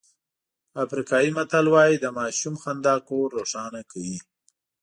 افریقایي متل وایي د ماشوم خندا کور روښانه کوي.